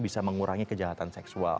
bisa mengurangi kejahatan seksual